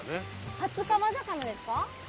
初川魚ですか？